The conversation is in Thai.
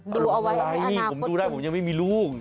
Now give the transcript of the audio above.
ดูเอาไว้ในอนาคตนี่ผมดูได้ผมยังไม่มีลูก